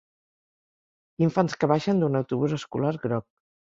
Infants que baixen d'un autobús escolar groc.